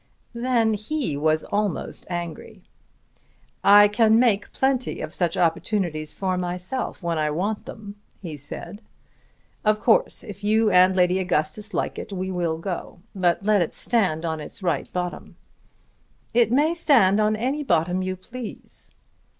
Then he was almost angry. "I can make plenty of such opportunities for myself, when I want them," he said. "Of course if you and Lady Augustus like it, we will go. But let it stand on its right bottom." "It may stand on any bottom you please."